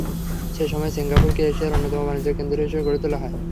সেই সময়ে সিঙ্গাপুরকে এশিয়ার অন্যতম বাণিজ্য কেন্দ্র হিসেবে গড়ে তোলা হয়।